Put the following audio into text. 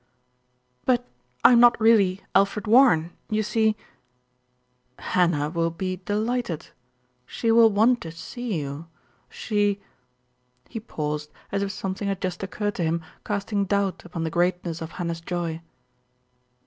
"But I am not really Alfred Warren. You see " "Hannah will be delighted, she will want to see you. She " He paused, as if something had just occurred to him casting doubt upon the greatness of Hannah's joy.